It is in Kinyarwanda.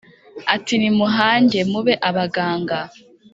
ati nimuhange mube abaganga